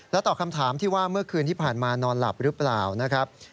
ตอบคำถามที่ว่าเมื่อคืนที่ผ่านมานอนหลับหรือเปล่านะครับ